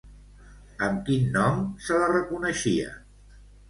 Amb quin nom se la reconeixia?